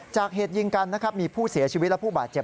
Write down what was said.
เหตุยิงกันนะครับมีผู้เสียชีวิตและผู้บาดเจ็บ